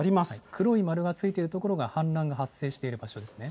黒い丸がついている所が氾濫が発生している場所ですね。